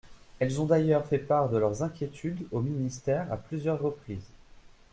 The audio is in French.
Elles ont d’ailleurs fait part de leurs inquiétudes au ministère à plusieurs reprises.